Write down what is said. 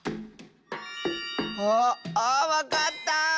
ああっわかった！